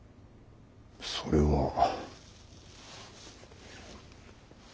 それは。